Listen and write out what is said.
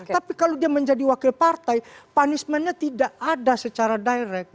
tapi kalau dia menjadi wakil partai punishmentnya tidak ada secara direct